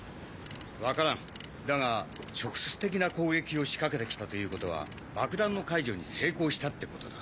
分からんだが直接的な攻撃を仕掛けてきたということは爆弾の解除に成功したってことだ。